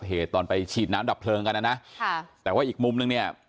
เหตุตอนไปฉีดน้ำดับเพลิงกันนะนะค่ะแต่ว่าอีกมุมนึงเนี่ย